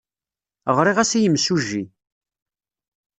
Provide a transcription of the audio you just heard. Ɣriɣ-as i yimsujji.